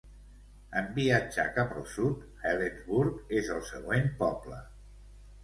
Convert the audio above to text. En viatjar cap al sud, Helensburgh és el següent poble.